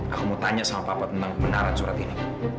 aku mau tanya sama papa tentang kebenaran surat ini